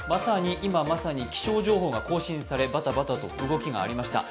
今まさに、気象情報が更新されバタバタと動きがありました。